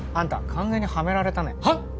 完全にハメられたねはっ？